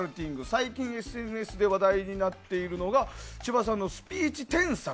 最近ＳＮＳで話題になっているのが千葉さんのスピーチ添削。